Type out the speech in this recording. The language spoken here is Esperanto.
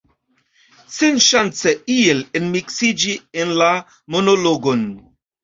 Senŝance iel enmiksiĝi en la monologon.